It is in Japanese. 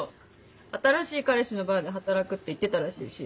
「新しい彼氏のバーで働く」って言ってたらしいし。